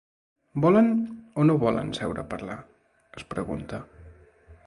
Volen o no volen seure a parlar?, es pregunta.